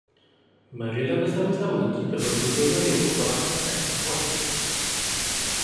Marilah bersama-sama kita bergotong royong untuk hapuskan nyamuk aedes.